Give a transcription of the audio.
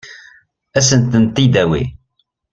Ad sent-tent-id-tawi?